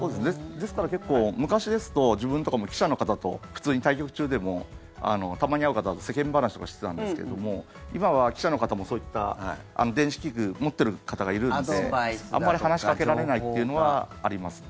ですから、結構昔ですと自分とかも記者の方と普通に対局中でもたまに会う方は世間話とかしてたんですけど今は記者の方もそういった電子器具を持っている方がいるのであまり話しかけられないというのはありますね。